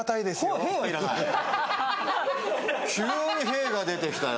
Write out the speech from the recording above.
急に丙が出てきたよ。